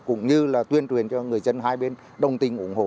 cũng như là tuyên truyền cho người dân hai bên đồng tình ủng hộ